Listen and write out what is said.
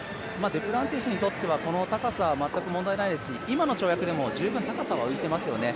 デュプランティスにとっては、この高さは全く問題ないですし、今の跳躍でも十分高さは浮いていますよね。